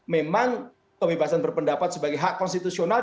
memang kebebasan berpendapat sebagai hak konstitusional